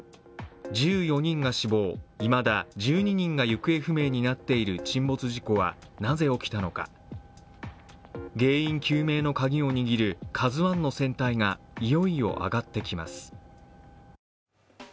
１４人が死亡、いまだ１２人が行方不明になっている沈没事故はなぜ起きたのか、原因究明のカギを握る「ＫＡＺＵⅠ」の船体がいよいよ揚がってきます。